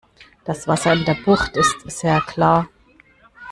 Das Wasser in der Bucht ist sehr klar.